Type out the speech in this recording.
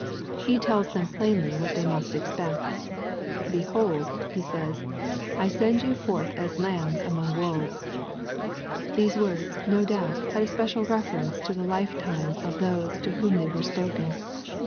He tells them plainly what they must expect. " Behold, He says, '^ I send you forth as lambs amongst wolves. These words, no doubt, had a special reference to the life time of those to whom they were spoken.